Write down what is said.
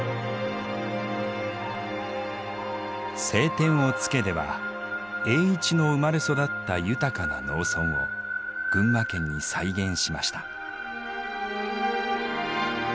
「青天を衝け」では栄一の生まれ育った豊かな農村を群馬県に再現しました。